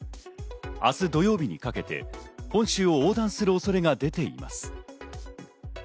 明日、土曜日にかけて本州を横断する恐れが出ています。